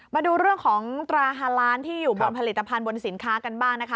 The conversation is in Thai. มาดูเรื่องของตราฮาล้านที่อยู่บนผลิตภัณฑ์บนสินค้ากันบ้างนะคะ